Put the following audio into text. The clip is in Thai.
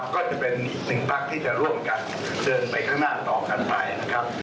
ก็จะเป็นอีกหนึ่งพักที่จะร่วมกันเดินไปข้างหน้าต่อกันไปนะครับ